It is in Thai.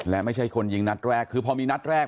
และไม่ใช่คนยิงนัดแรกคือพอมีนัดแรก